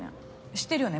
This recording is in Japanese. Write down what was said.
知ってるよね？